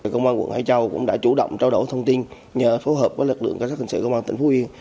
công an quận hải châu cũng đã chủ động trao đổi thông tin nhờ phối hợp với lực lượng cảnh sát hình sự công an tỉnh phú yên